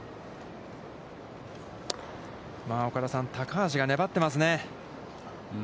岡田さん、高橋が粘ってますね。